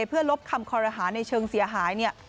เพื่อลบคำคอรหาในเชิงเสียหาย